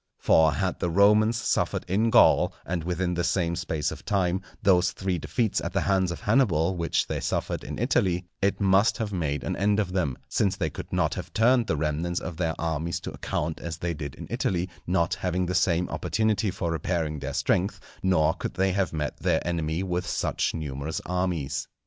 For had the Romans suffered in Gaul, and within the same space of time, those three defeats at the hands of Hannibal which they suffered in Italy, it must have made an end of them; since they could not have turned the remnants of their armies to account as they did in Italy, not having the same opportunity for repairing their strength; nor could they have met their enemy with such numerous armies.